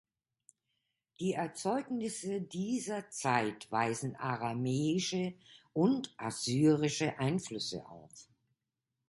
Die Erzeugnisse dieser Zeit weisen aramäische und assyrische Einflüsse auf.